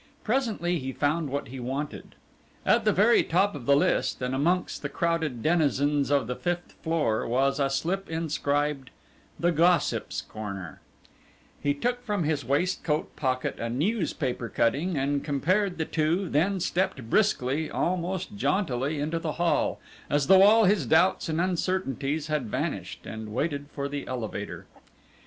Presently he found what he wanted. At the very top of the list and amongst the crowded denizens of the fifth floor was a slip inscribed: "THE GOSSIP'S CORNER" He took from his waistcoat pocket a newspaper cutting and compared the two then stepped briskly, almost jauntily, into the hall, as though all his doubts and uncertainties had vanished, and waited for the elevator.